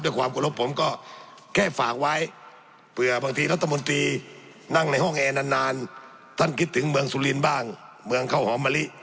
ความกระรบผมก็แค่ฝากไว้เผื่อบางทีรัฐมนตรีนั่งในห้องแอร์นานท่านคิดถึงเมืองสุรินทร์บ้างเมืองข้าวหอมมะลิ